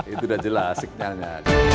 itu sudah jelas signalnya